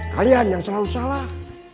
kalian yang selalu salah